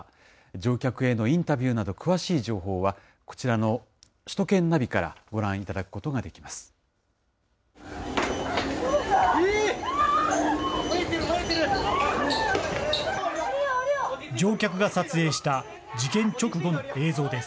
乗客へのインタビューなど詳しい情報は、こちらの首都圏ナビからご覧いただくことができます。